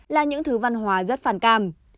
là những thứ văn hóa rất phản cảm